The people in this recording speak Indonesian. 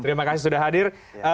terima kasih sudah hadir